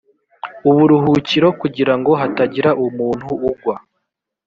uburuhukiro kugira ngo hatagira umuntu ugwa